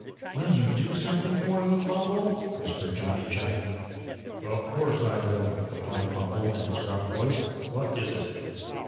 "Will you do something for me, Bumble?" whispered Johnny Chuck. "Of course, I will," replied Bumble, in his gruff voice. "What is it?"